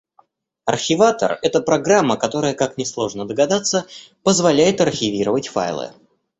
Архиватор — это программа, которая, как несложно догадаться, позволяет архивировать файлы.